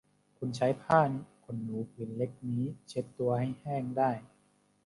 คุณใช้ผ้าขนหนูผืนเล็กนี้เช็ดตัวให้แห้งได้